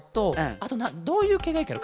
あとどういうけいがいいケロ？